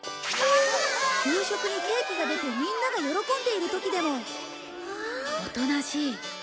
給食にケーキが出てみんなが喜んでいる時でもおとなしい。